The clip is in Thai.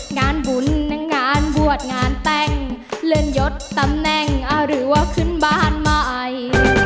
งานบุญงานบวชงานแต่งเลื่อนยดตำแหน่งหรือว่าขึ้นบ้านใหม่